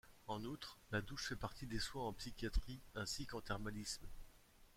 En outre, la douche fait partie des soins en psychiatrie, ainsi qu'en thermalisme.